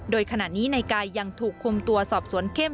โดยขณะนี้นายกายยังถูกคุมตัวสอบสวนเข้ม